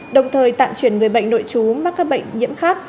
đồng thời tạm chuyển người bệnh nội chú mắc các bệnh nhiễm khác